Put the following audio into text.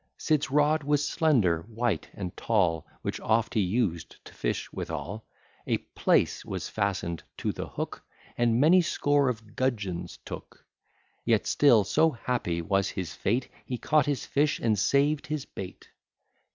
Sid's rod was slender, white, and tall, Which oft he used to fish withal; A PLACE was fasten'd to the hook, And many score of gudgeons took; Yet still so happy was his fate, He caught his fish and sav'd his bait.